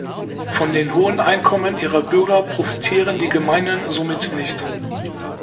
Von den hohen Einkommen ihrer Bürger profitieren die Gemeinden somit nicht.